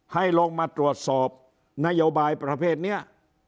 ให้ลงมาตรวจสอบนโยบายประเภทนี้